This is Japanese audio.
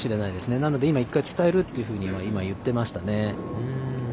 なので、１回伝えるというふうにいってましたね。